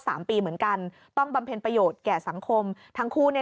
สามปีเหมือนกันต้องบำเพ็ญประโยชน์แก่สังคมทั้งคู่เนี่ย